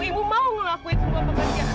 ibu mau ngelakuin semua pekerjaan